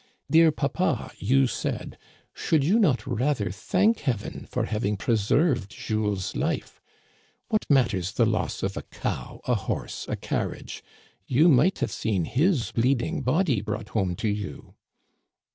' Dear papa,' you said, * should you not rather thank heaven for having preserved Jules's life ? What matters the loss of a cow, a horse, a carriage ? You might have seen his bleeding body brought home to you